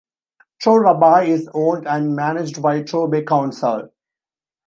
Torre Abbey is owned and managed by Torbay Council.